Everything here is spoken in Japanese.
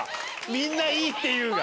「みんないいって言う」が。